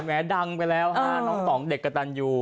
แม้ดังไปแล้วน้องต๋องเด็กกระตันอยู่